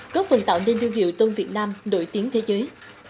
góp phần tạo nên thương hiệu tôm việt nam nổi tiếng thế giới